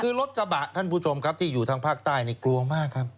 คือรถกระบะท่านผู้ชมครับที่อยู่ทางภาคใต้นี่กลัวมากครับ